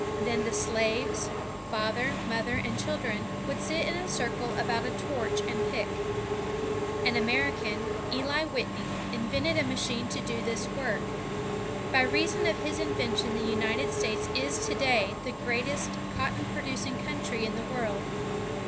Then the slaves, father, mother, and children, would sit in a circle about a torch and pick. An American, Eli Whitney, invented a machine to do this work. By reason of his invention, the United States is to day the greatest cotton produdng country in the world.